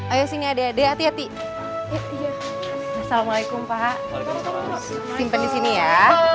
ayo sini adek adek hati hati assalamualaikum pak simpan di sini ya